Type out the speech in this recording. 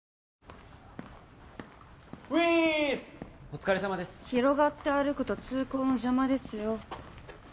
お疲れさまです広がって歩くと通行の邪魔ですよ